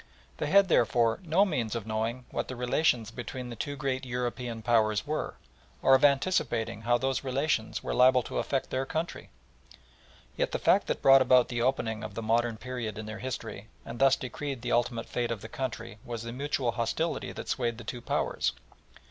They had, therefore, no means of knowing what the relations between the two great European Powers were, or of anticipating how those relations were liable to affect their country. Yet the fact that brought about the opening of the modern period in their history and thus decreed the ultimate fate of the country was the mutual hostility that swayed the two Powers.